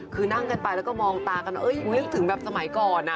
คือนั่งกันไปแล้วก็มองตากันนึกถึงแบบสมัยก่อน